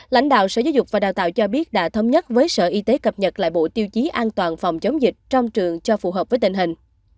lãnh đạo sở giáo dục và đào tạo cho biết đã thống nhất với sở y tế cập nhật lại bộ tiêu chí an toàn phòng chống dịch trong trường cho phù hợp với tình hình